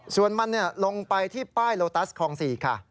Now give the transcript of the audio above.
ส่วนมันลงไปที่ป้ายโลตัสคลอง๔ค่ะ